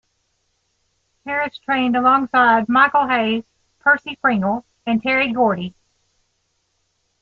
Harris trained alongside Michael Hayes, Percy Pringle, and Terry Gordy.